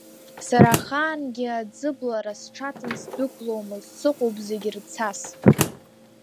Сара ахаангьы аӡыблара сҽаҭан сдәықәломызт, сыҟоуп зегь рцас.